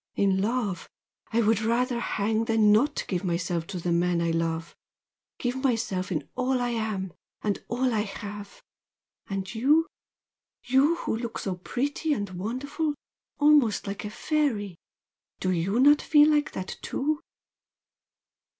In love I would rather hang than not give myself to the man I love give myself in all I am, and all I have! And YOU you who look so pretty and wonderful almost like a fairy! do YOU not feel like that too?"